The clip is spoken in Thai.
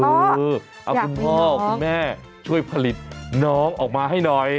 เอาคุณพ่อคุณแม่ช่วยผลิตน้องออกมาให้หน่อย